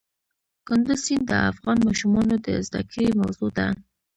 کندز سیند د افغان ماشومانو د زده کړې موضوع ده.